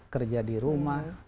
kerja di rumah